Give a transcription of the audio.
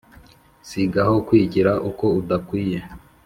si gaho kwigira uko udakwiye